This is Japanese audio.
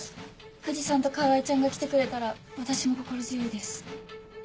藤さんと川合ちゃんが来てくれたら私も心強いです。